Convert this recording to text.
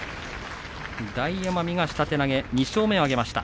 大奄美が下手投げ２勝目を挙げました。